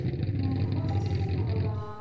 おなかすいてんのかな？